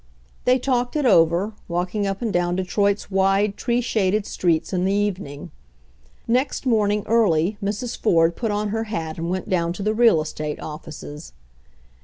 They talked it over, walking up and down De troit's wide, tree shaded streets in the evening. Next morning early Mrs. Ford put on her hat and went down to the real estate offices.